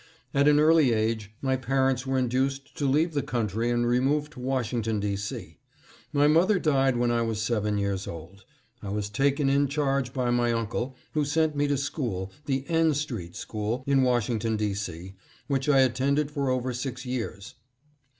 At an early age, my parents were induced to leave the country and remove to Washington, D. C. My mother died when I was seven years old. I was taken in charge by my uncle, who sent me to school, the "N Street School" in Washington, D. C., which I attended for over six years.